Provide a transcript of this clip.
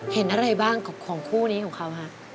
เห็นอะไรบ้างของคู่นี้ของเขาฮะ